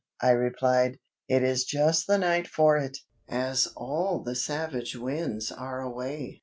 I replied. "It is just the night for it, as all the savage Winds are away."